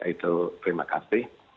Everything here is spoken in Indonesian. itu terima kasih